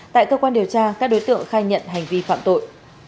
tại cơ quan điều tra các đối tượng khai nhận hành vi phạm tội